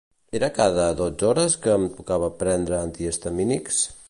Era cada dotze hores que em tocava prendre antihistamínics?